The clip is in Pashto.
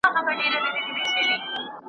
هم خوښي او هم غمونه په ژوندون کي سي راتللای .